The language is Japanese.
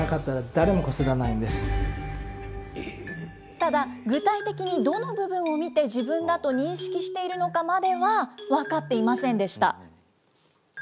ただ、具体的にどの部分を見て、自分だと認識しているのかまでは分かっていませんでした。